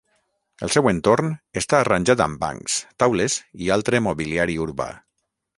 El seu entorn està arranjat amb bancs, taules i altre mobiliari urbà.